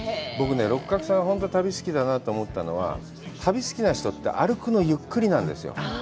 僕ね、六角さんが本当に旅を好きだなと思ったのは、旅、好きな人って歩くのゆっくりなんですよ。